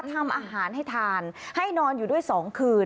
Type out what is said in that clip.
ทำอาหารให้ทานให้นอนอยู่ด้วย๒คืน